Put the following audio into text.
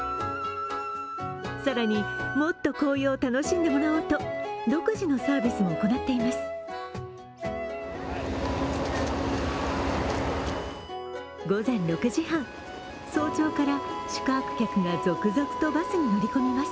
更にもっと紅葉を楽しんでもらおうと、独自のサービスも行っています。